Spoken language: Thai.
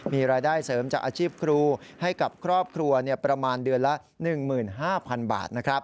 มีรายได้เสริมจากอาชีพครูให้กับครอบครัวประมาณเดือนละ๑๕๐๐๐บาทนะครับ